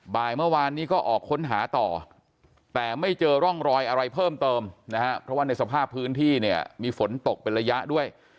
บ่ายเมื่อวานนี้ก็ออกค้นหาต่อแต่ไม่เจอร่องรอยอะไรเพิ่มเติมนะฮะเพราะว่าในสภาพพื้นที่เนี่ยมีฝนตกเป็นระยะด้วย